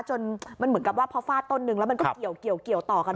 จนมันเหมือนกับว่าพอฟาดต้นนึงแล้วมันก็เกี่ยวต่อกัน